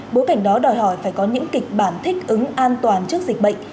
bối cảnh đó đòi hỏi phải có những kịch bản thích ứng an toàn trước dịch bệnh